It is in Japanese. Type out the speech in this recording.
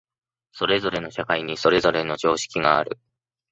それぞれの社会にそれぞれの常識がある。